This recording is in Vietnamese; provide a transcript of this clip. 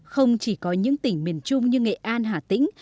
không chỉ có những tỉnh miền trung như nghệ an hà tĩnh